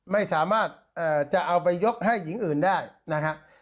ไม่สามารถจะเอาไปยกให้หญิงอื่นได้นะครับ